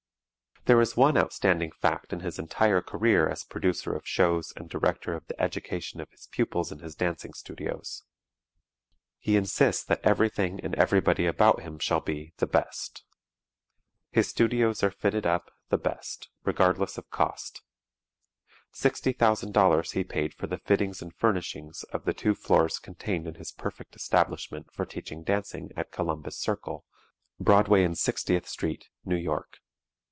There is one outstanding fact in his entire career as producer of shows and director of the education of his pupils in his dancing studios: He insists that everything and everybody about him shall be "the best." His studios are fitted up "the best," regardless of cost. Sixty thousand dollars he paid for the fittings and furnishings of the two floors contained in his perfect establishment for teaching dancing at Columbus Circle, Broadway and Sixtieth Street, New York.